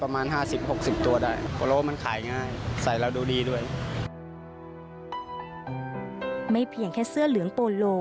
เพียงแค่เสื้อเหลืองโปโล